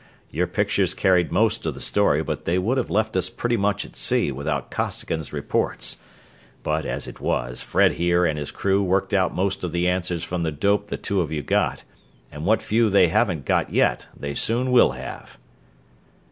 Your pictures carried most of the story, but they would have left us pretty much at sea without Costigan's reports. But as it was, Fred here and his crew worked out most of the answers from the dope the two of you got; and what few they haven't got yet they soon will have."